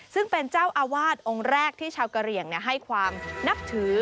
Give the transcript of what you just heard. ซึ่งเป็นเจ้าอาวาสองค์แรกที่ชาวกะเหลี่ยงให้ความนับถือ